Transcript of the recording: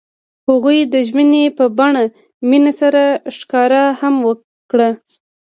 هغوی د ژمنې په بڼه مینه سره ښکاره هم کړه.